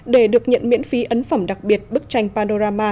để được nhận miễn phí ấn phẩm đặc biệt bức tranh panorama